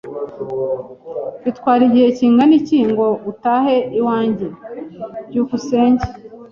Bitwara igihe kingana iki ngo utahe iwanjye? byukusenge